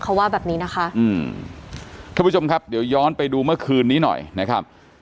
เขาว่าแบบนี้นะคะอืมท่านผู้ชมครับเดี๋ยวย้อนไปดูเมื่อคืนนี้หน่อยนะครับ